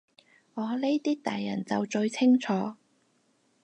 我呢啲大人就最清楚